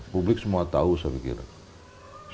publik semua tahu saya pikir